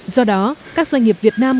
do đó các doanh nghiệp việt nam